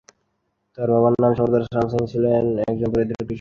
তাঁর বাবার নাম সর্দার শাম সিং ছিলেন একজন দরিদ্র কৃষক।